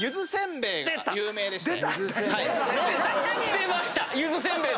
出ましたゆずせんべい。